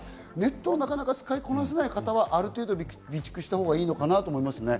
ただ、高齢者などネットを使いこなせない方は、ある程度、備蓄したほうがいいかと思います。